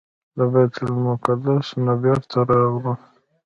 له بیت المقدس نه بیرته راغلو.